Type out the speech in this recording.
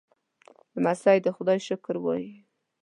لمسی د خدای شکر وايي.